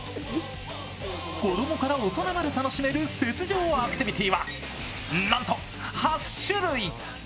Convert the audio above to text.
子供から大人まで楽しめる雪上アクティビティーはなんと８種類。